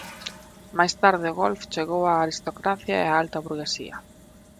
Máis tarde o golf chegou á aristocracia e á alta burguesía.